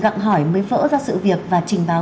dặn hỏi mới vỡ ra sự việc và trình báo